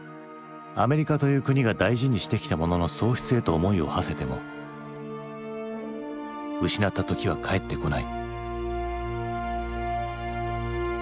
アメリカという国が大事にしてきたものの喪失へと思いをはせても失った時はかえってこない。